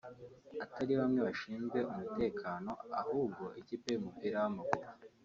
atari bamwe bashinzwe umutekano ahubwo ikipe y’umupira w’amaguru